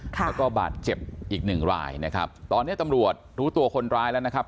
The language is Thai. แล้วก็บาดเจ็บอีกหนึ่งรายนะครับตอนนี้ตำรวจรู้ตัวคนร้ายแล้วนะครับ